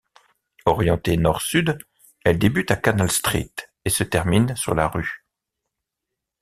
Orientée nord-sud, elle débute à Canal Street et se termine sur la Rue.